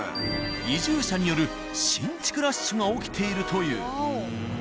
移住者による新築ラッシュが起きているという。